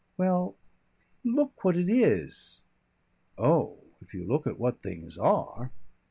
"Well Look what it is." "Oh! if you look at what things are!"